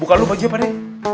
buka lu baju ya pade